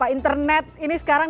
internet ini sekarang